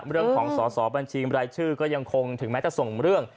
เรื่องของสอสอบัญชีบรายชื่อก็ยังคงถึงแม้จะส่งเรื่อง